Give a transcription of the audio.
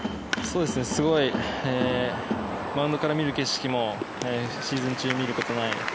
すごいマウンドから見る景色もシーズン中に見ることがない